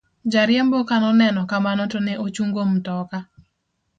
jariembo kanoneno kamano to ne ochungo mtoka